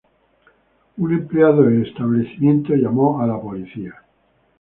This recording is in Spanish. Un empleado del establecimiento llamó a la policía.